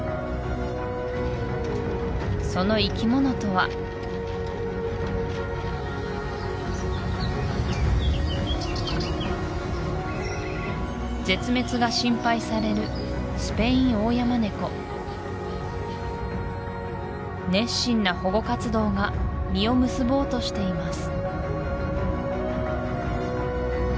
その生きものとは絶滅が心配されるスペインオオヤマネコ熱心な保護活動が実を結ぼうとしています